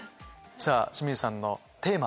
さぁ清水さんのテーマ。